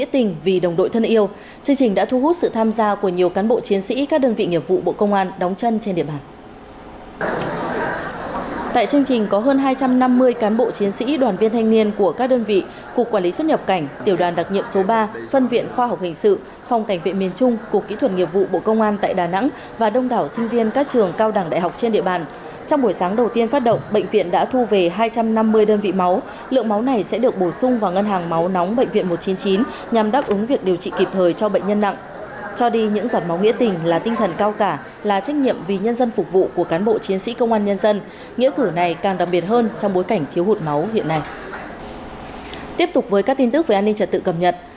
tiếp tục với các tin tức về an ninh trật tự cập nhật